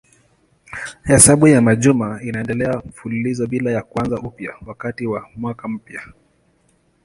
Hesabu ya majuma inaendelea mfululizo bila ya kuanza upya wakati wa mwaka mpya.